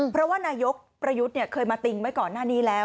เพราะว่านายกประยุทธ์เคยมาติงไว้ก่อนหน้านี้แล้ว